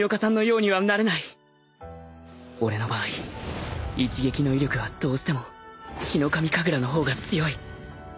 俺の場合一撃の威力はどうしてもヒノカミ神楽の方が強い